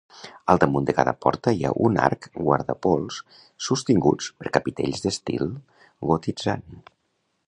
Al damunt de cada porta hi ha un arc guardapols sostinguts per capitells d'estil goticitzant.